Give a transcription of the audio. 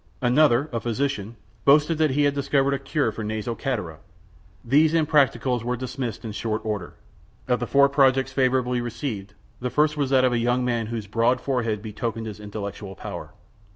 Another, a physician, boasted that he had discovered a cure for nasal catarrh! These impracticables were dismissed in short order. Of the four projects favorably received, the first was that of a young man whose broad forehead betokened his intellectual power.